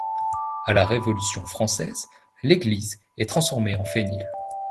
À la Révolution française, l'église est transformée en fenil.